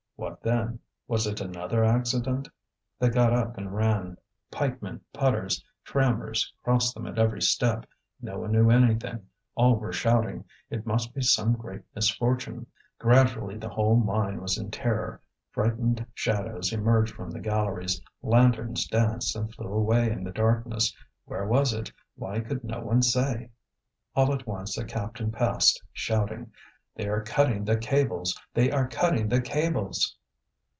What then? was it another accident? They got up and ran. Pikemen, putters, trammers crossed them at every step; no one knew anything; all were shouting; it must be some great misfortune. Gradually the whole mine was in terror, frightened shadows emerged from the galleries, lanterns danced and flew away in the darkness. Where was it? Why could no one say? All at once a captain passed, shouting: "They are cutting the cables! they are cutting the cables!"